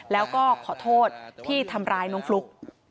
แล้วก็ขอโทษที่ทำร้ายน้องฟลุ๊ก